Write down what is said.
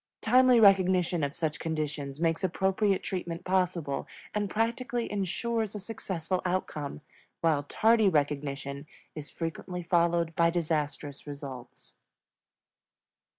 Timely recognition of such conditions makes appropriate treatment possible and practically insures a successful outcome; while tardy recognition is frequently followed by disastrous results.